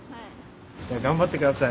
頑張って下さい。